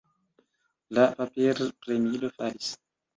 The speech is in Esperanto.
La paperpremilo falis.